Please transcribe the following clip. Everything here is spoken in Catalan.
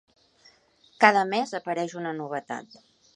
Cada mes apareix una novetat.